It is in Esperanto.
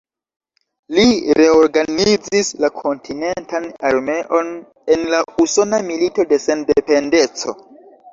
Li reorganizis la kontinentan armeon en la Usona Milito de Sendependeco.